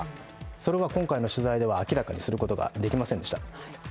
それは今回の取材では明らかにすることはできませんでした。